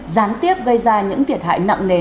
gián tiếp gây ra những thiệt hại nặng nề